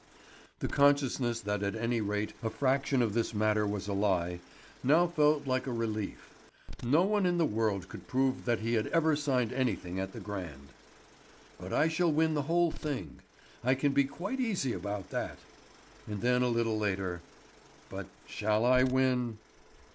The consciousness that at any rate a fraction of this matter was a lie, now felt like a relief. No one in the world could prove that he had ever signed anything at the Grand. "But I shall win the whole thing. I can be quite easy about that." And then a little later: "But shall I win?"